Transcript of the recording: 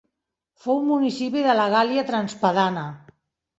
Fou un municipi de la Gàl·lia Transpadana.